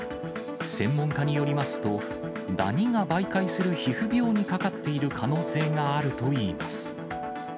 専門家によりますと、ダニが媒介する皮膚病にかかっている可能性があるといいます。